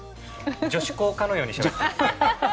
女子高かのようにしゃべってます。